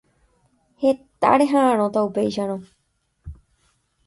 Heta reha'ãrõta upéicharõ.